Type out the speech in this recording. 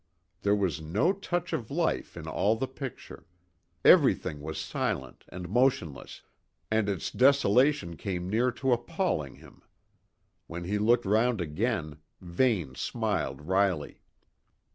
There was no touch of life in all the picture; everything was silent and motionless, and its desolation came near to appalling him. When he looked round again, Vane smiled wryly.